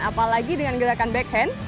apalagi dengan gerakan backhand